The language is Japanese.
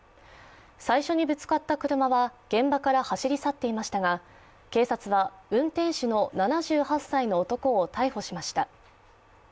最初にぶつかった車は現場から走り去っていましたが、警察は運転手の７８歳の男を逮捕しました。